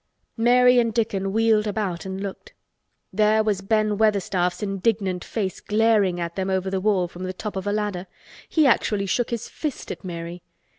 Mary and Dickon wheeled about and looked. There was Ben Weatherstaff's indignant face glaring at them over the wall from the top of a ladder! He actually shook his fist at Mary.